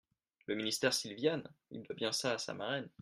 Le ministère Silviane … Il doit bien ça à sa marraine.